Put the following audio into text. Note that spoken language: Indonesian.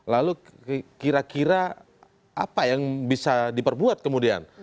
lalu kira kira apa yang bisa diperbuat kemudian